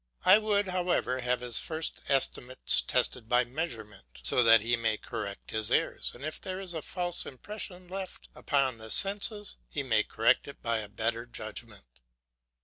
I would, however, have his first estimates tested by measurement, so that he may correct his errors, and if there is a false impression left upon the senses he may correct it by a better judgment.